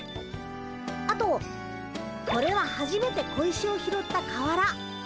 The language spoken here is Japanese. あとこれははじめて小石を拾った川原。